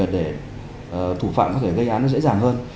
để thủ phạm có thể gây án nó dễ dàng hơn